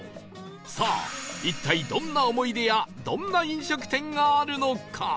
さあ一体どんな思い出やどんな飲食店があるのか